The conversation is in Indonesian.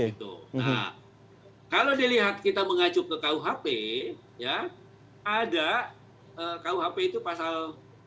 nah kalau dilihat kita mengacu ke kuhp ya ada kuhp itu pasal